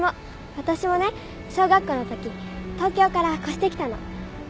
わたしもね小学校のとき東京から越してきたの。